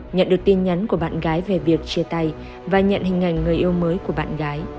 nhận được tin nhắn của bạn gái về việc chia tay và nhận hình ảnh người yêu mới của bạn gái